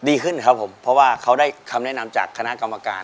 ดีขึ้นครับผมเพราะว่าเขาได้คำแนะนำจากคณะกรรมการ